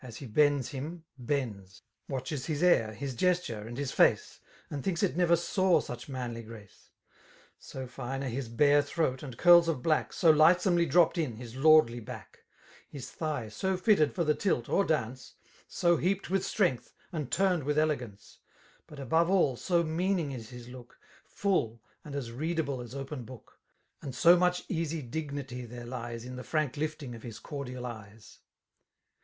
he bends hiin> bendSi — Watches his air» his gesture^ and his face> And thinks it never saw such manly grace> So fine are his bare throaty and curls of black, * So lightsomely diopt in^ his lordly back — His thigh so fitted for the tilt or dance. So heaped with strength^ and turned with elegance i But above all, so meaning is his look. Full, and as readable as open book; And so much easy dignity there lies In the frank lifting of his cordial eyes.